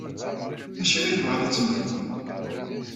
Acimi i tebɣiḍ ad temmteḍ?